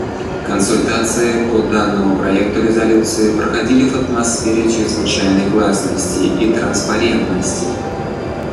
Консультации по данному проекту резолюции проходили в атмосфере чрезвычайной гласности и транспарентности.